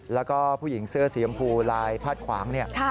แล้วก็ผู้หญิงเสื้อสีมะภูลายพาดขวาง